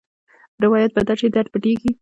روایت بدل شي، درد پټېږي.